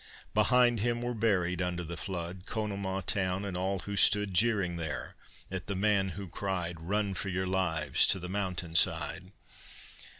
Behind him were buried under the flood Conemaugh town and all who stood Jeering there at the man who cried, "Run for your lives to the mountain side!"